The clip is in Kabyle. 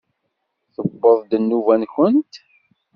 Tewweḍ-d nnuba-nkent?